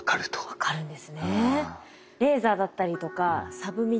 分かるんですね。